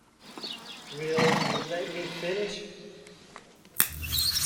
Will you let me finish?